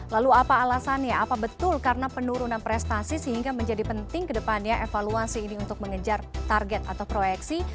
lalu apa alasannya apa betul karena penurunan prestasi sehingga menjadi penting ke depannya evaluasi ini untuk mengejar target atau proyeksi